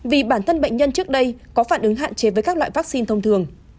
vì bản thân bệnh nhân trước đây có phản ứng hạn chế với các loại vaccine thông thường